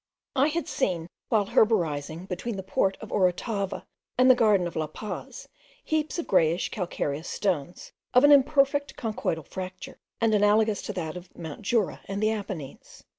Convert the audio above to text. I had seen, while herborizing between the port of Orotava and the garden of La Paz, heaps of greyish calcareous stones, of an imperfect conchoidal fracture, and analogous to that of Mount Jura and the Apennines.